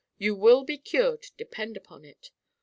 You will be cured, depend upon it.